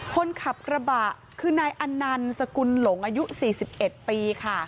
คนขับกระบะคือหนัยอนันสกุลด์หลงอายุ๔๑ปี